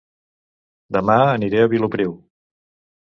Dema aniré a Vilopriu